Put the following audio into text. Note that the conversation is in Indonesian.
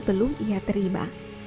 belum ia terima